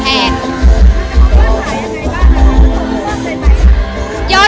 ยอดถ่ายยังไงบ้าง